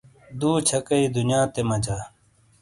دُو چھکئیی دنیاتے مجا۔